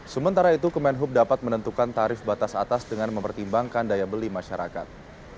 sementara itu kemenhub dapat menentukan tarif batas atas dengan mempertimbangkan daya beli masyarakat